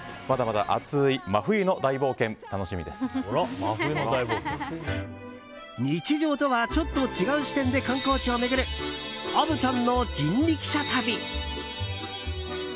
まだまだ熱い真冬の大冒険日常とはちょっと違う視点で観光地を巡る虻ちゃんの人力車旅。